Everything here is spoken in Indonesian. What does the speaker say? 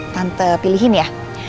tante pilihin ya